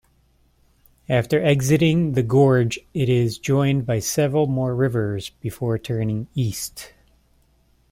After exiting the gorge it is joined by several more rivers before turning East.